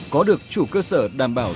có được chủ cơ sở đảm bảo